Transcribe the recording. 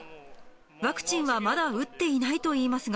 ワクチンはまだ打っていないといいますが。